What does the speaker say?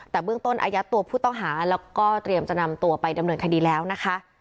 แต่เบื้องต้นอายัดตัวผู้ต้องหาแล้วก็เตรียมจะนำตัวไปดำเนินคดีแล้วนะคะ